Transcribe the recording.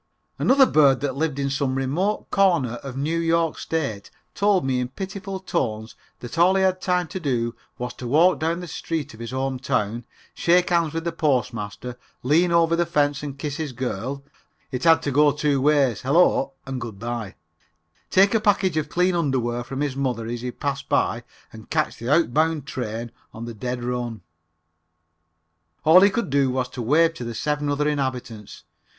Another bird that lived in some remote corner of New York State told me in pitiful tones that all he had time to do was to walk down the street of his home town, shake hands with the Postmaster, lean over the fence and kiss his girl (it had to go two ways, Hello and Good by), take a package of clean underwear from his mother as he passed by and catch the outbound train on the dead run. All he could do was to wave to the seven other inhabitants.